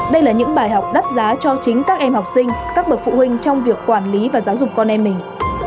đây là những bài học đắt giá cho chính các em học sinh các bậc phụ huynh trong việc quản lý và giáo dục con em mình